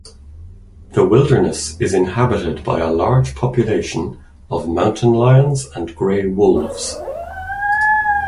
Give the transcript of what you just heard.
The wilderness is inhabited by a large population of mountain lions and gray wolves.